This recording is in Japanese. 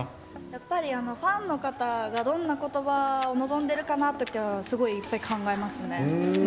やっぱりファンの方がどんな言葉を望んでるかなってすごい、いっぱい考えますね。